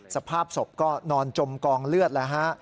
สภาพศพก็นอนจมกองเลือดแล้วฮะ